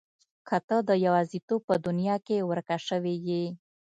که ته د يوازيتوب په دنيا کې ورکه شوې يې.